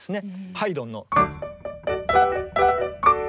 ハイドンの。